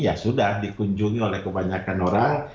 ya sudah dikunjungi oleh kebanyakan orang